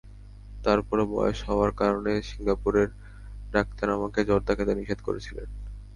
তারপরও বয়স হওয়ার কারণে সিঙ্গাপুরের ডাক্তার আমাকে জর্দা খেতে নিষেধ করেছিলেন।